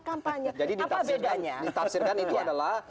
kampanye jadi ditafsirkan itu adalah